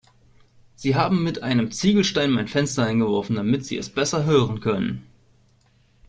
Sie haben mit einem Ziegelstein mein Fenster eingeworfen, damit sie es besser hören können.